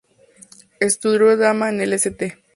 Estudió drama en el St.